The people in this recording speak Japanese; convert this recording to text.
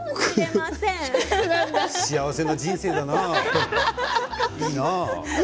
幸せな人生だな、いいな。